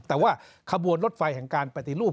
แต่ว่าขบวนรถไฟแห่งการปฏิรูป